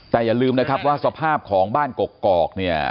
แต่อย่าลืมนะครับว่าสภาพของบ้านกกอกเนี่ย